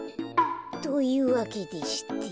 というわけでして。